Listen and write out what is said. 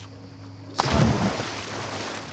Sampor